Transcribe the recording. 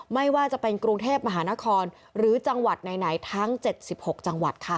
ไม่ว่าจะเป็นกรุงเทพมหานครหรือจังหวัดไหนทั้ง๗๖จังหวัดค่ะ